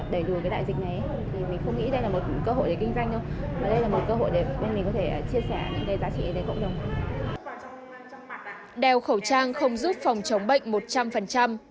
đeo khẩu trang không giúp phòng chống bệnh một trăm linh